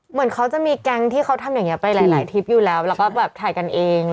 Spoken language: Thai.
เหมือนเขาจะมีแก๊งที่เขาทำอย่างนี้ไปหลายทริปอยู่แล้วแล้วก็แบบถ่ายกันเอง